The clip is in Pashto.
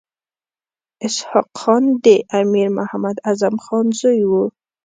اسحق خان د امیر محمد اعظم خان زوی وو.